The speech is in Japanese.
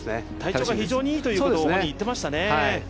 体調が非常にいいと本人言っていましたね。